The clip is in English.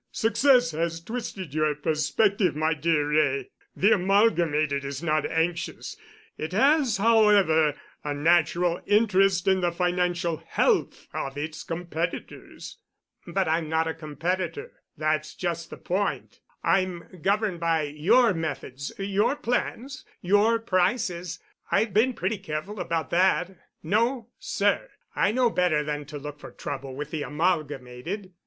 Success has twisted your perspective, my dear Wray. The Amalgamated is not anxious—it has, however, a natural interest in the financial health of its competitors." "But I'm not a competitor. That's just the point. I'm governed by your methods, your plans, your prices. I've been pretty careful about that. No, sir, I know better than to look for trouble with the Amalgamated."